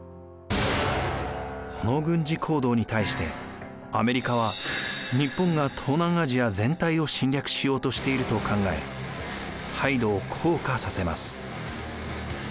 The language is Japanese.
この軍事行動に対してアメリカは日本が東南アジア全体を侵略しようとしていると考え態度を硬化させます。